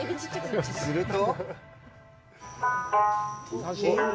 すると